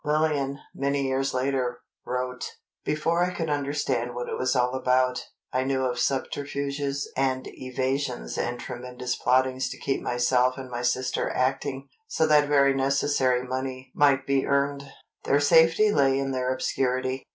Lillian, many years later, wrote: Before I could understand what it was all about, I knew of subterfuges and evasions and tremendous plottings to keep myself and my sister acting, so that the very necessary money might be earned.... Their safety lay in their obscurity.